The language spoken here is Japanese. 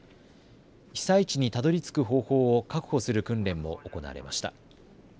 被災地にたどりつく方法を確保する訓練も行われました。